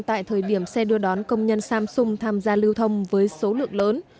tại thời điểm xe đưa đón công nhân samsung tham gia lưu thông với số lượng lớn